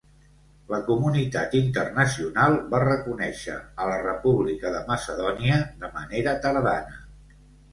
La comunitat internacional va reconèixer a la República de Macedònia de manera tardana.